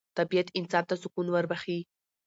طبیعت انسان ته سکون وربخښي